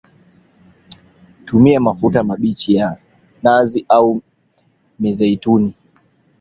Tumia mafuta mabichi ya nazi au mizeituni